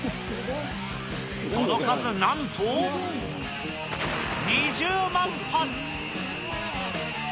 その数なんと、２０万発。